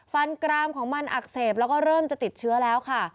กรามของมันอักเสบแล้วก็เริ่มจะติดเชื้อแล้วค่ะ